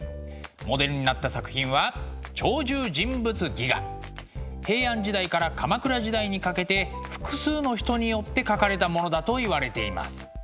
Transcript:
モデルになった作品は平安時代から鎌倉時代にかけて複数の人によって描かれたものだといわれています。